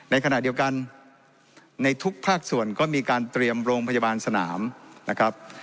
ในขณะเดียวกันในทุกภาคส่วนก็มีการเตรียมโรงพยาบาลสนามนะครับ